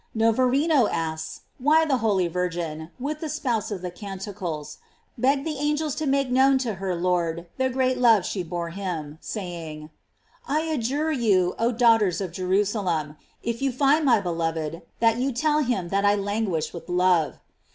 ISTova rino asks why the holy Virgin, with the spouse of the Canticles, begged the angels to make known to her Lord the great love she bore him, saying : "I ad jure you, oh daughters of Jerusalem, if you find my beloved, that you tell him that I languish Avith love."